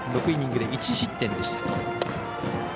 ６イニングで１失点でした。